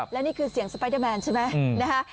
และนี่คือเสียงสไปเดอร์แมนใช่ไหมนะคะ